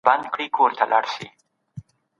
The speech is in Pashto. ولي تمرین د زده کړي برخه ګڼل کېږي؟